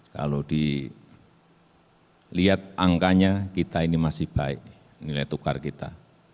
kalau dilihat angkanya kita ini masih baik nilai tukar kita